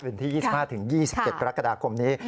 เป็นที่๒๕ถึง๒๗ประกาศกรรมนี้